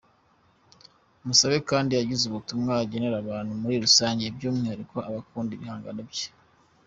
Musabe kandi yagize ubutumwa agenera abantu muri rusange by’umwihariko abakunda ibhangano bye .